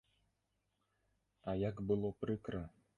А як было прыкра!